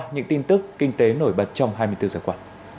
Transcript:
những tin tức kinh tế nổi bật trong hai mươi bốn giờ qua